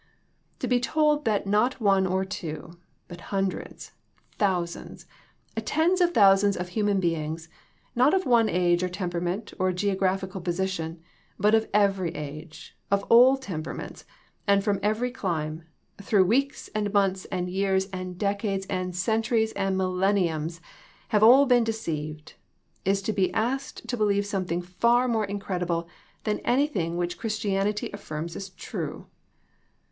To be told that not one or two ; but hundreds, thou sands, tens of thousands of human beings, not of one age or temperament or geographical posi tion ; but in every age, of all temperaments and from every clime, though weeks and months and years and decades and centuries and millenniums, have all been deceived, is to be asked to believe something far more incredible than anything which Christianity affirms as true.